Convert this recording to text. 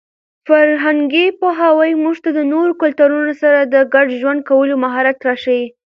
فرهنګي پوهاوی موږ ته د نورو کلتورونو سره د ګډ ژوند کولو مهارت راښيي.